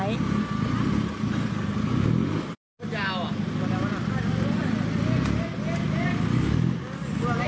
ยาวอ่ะ